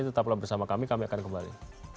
tetaplah bersama kami kami akan kembali